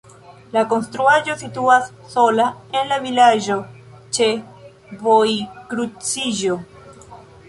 La konstruaĵo situas sola en la vilaĝo ĉe vojkruciĝo.